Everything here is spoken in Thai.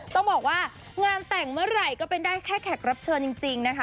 ต้องบอกว่างานแต่งเมื่อไหร่ก็เป็นได้แค่แขกรับเชิญจริงนะคะ